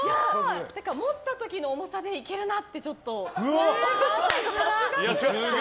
持った時の重さでいけるなって、ちょっと。